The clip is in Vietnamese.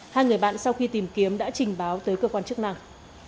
hai người bạn sau khi tìm kiếm đã trình báo tới cơ quan chức năng